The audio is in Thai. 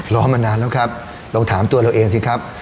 รอมานานแล้วครับลองถามตัวเราเองสิครับ